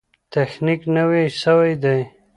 تخنیک نوی سوی دی.